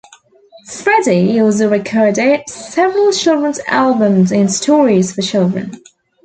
Freddie also recorded several children's albums and stories for children.